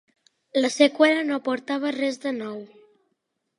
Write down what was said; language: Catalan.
La seqüela no aportava res de nou.